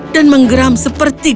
dan menggeram seperti